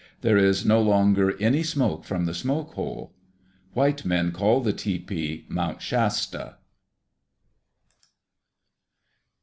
There is no longer any smoke from the smoke hole. White men call the tepee Mount Shasta.